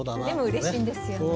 でもうれしいんですよね。